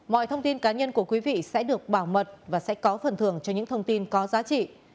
mọi thông tin cá nhân của quý vị sẽ được bảo mật và sẽ có phần thường cho những thông tin có giá trị